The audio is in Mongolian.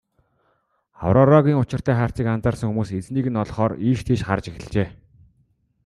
Аврорагийн учиртай харцыг анзаарсан хүмүүс эзнийг нь олохоор ийш тийш харж эхэлжээ.